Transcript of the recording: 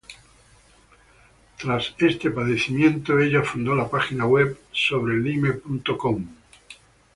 Tras este padecimiento, ella fundó la página web Sobrelyme.com.